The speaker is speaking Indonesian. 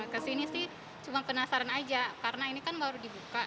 kesini sih cuma penasaran aja karena ini kan baru dibuka